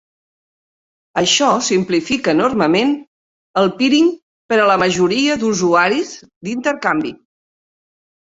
Això simplifica enormement el peering per a la majoria d'usuaris d'intercanvi.